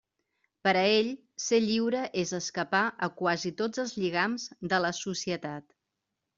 Per a ell, ser lliure és escapar a quasi tots els lligams de la societat.